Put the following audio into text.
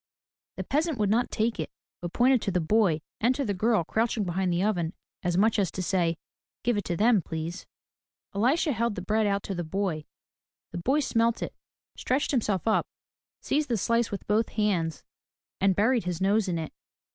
The peasant would not take it, but pointed to the boy and to a girl crouching behind the oven as much as to say, Give it to them, please." Elisha held the bread out to the boy. The boy smelt it, stretched himself up, seized the slice with both hands and buried his nose in it.